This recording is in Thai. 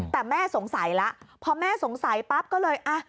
แต่แม่สงสัยแล้วพอแม่สงสัยปั๊บก็เลยอ่ะ